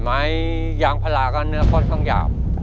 ไม้ยางพลาก็เนื้อค่อนข้างยาว